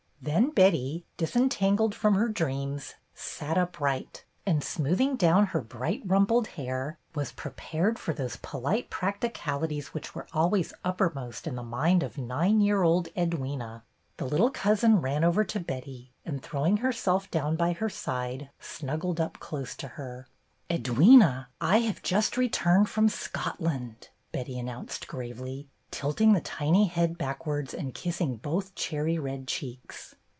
Then Betty, disen tangled from her dreams, sat upright, and, smoothing down her bright rumpled hair, was prepared for those polite practicalities which were always uppermost in the mind of nine year old Edwyna. The little cousin ran over to Betty and, throwing herself down by her side, snuggled up close to her. "Edwyna, I have just returned from Scot land!" Betty announced gravely, tilting the tiny head backwards and kissing both cherry red cheeks.